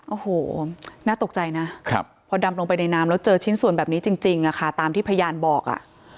โอ้โหน่าตกใจนะพอดำลงไปในน้ำแล้วเจอชิ้นส่วนแบบนี้จริงอะค่ะตามที่พยานบอกอ่ะ